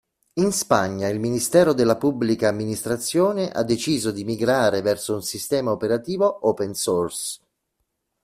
In Spagna il Ministero della Pubblica Amministrazione ha deciso di migrare verso un sistema operativo open source.